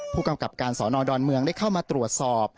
ผู้กำกับการสอนอดอนเมืองได้เข้ามาตรวจสอบ